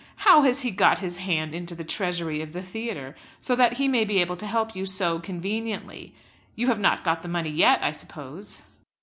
How has he got his hand into the treasury of the theatre, so that he may be able to help you so conveniently? You have not got the money yet, I suppose?"